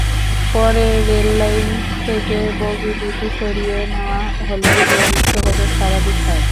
পরে রেললাইন থেকে বগি দুটি সরিয়ে নেওয়া হলে রেল যোগাযোগ স্বাভাবিক হয়।